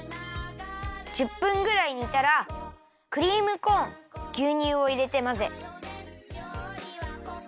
１０分ぐらいにたらクリームコーンぎゅうにゅうをいれてまぜ。